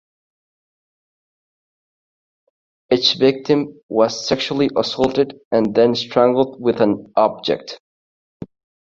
Each victim was sexually assaulted and then strangled with an object.